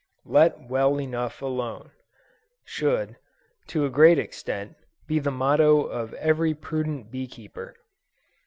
"Let well enough alone," should, to a great extent, be the motto of every prudent bee keeper.